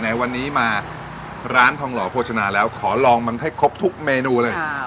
ไหนวันนี้มาร้านทองหล่อโภชนาแล้วขอลองมันให้ครบทุกเมนูเลย